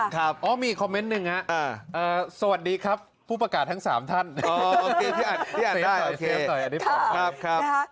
ค่ะครับสวัสดีครับผู้ประกาศทั้ง๓ท่านพี่อ่านได้อันนี้เปล่าครับ